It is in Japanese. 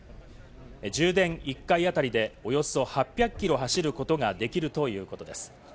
充電１回あたりでおよそ８００キロ走ることができるということです。